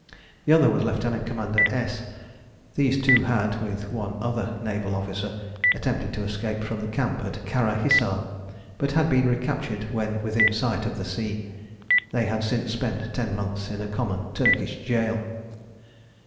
The other was Lieut. Commander S . These two had, with one other naval officer, attempted to escape from the camp at Kara Hissar, but had been recaptured when within sight of the sea; they had since spent ten months in a common Turkish jail.